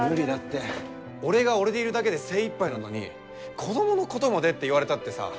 俺が俺でいるだけで精いっぱいなのに子どものことまでって言われたってさ。